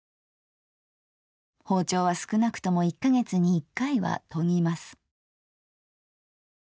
包丁は少なくとも一カ月に一回は研ぎます」。